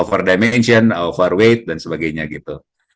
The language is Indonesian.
over diamention overweight dan sebagainya gitu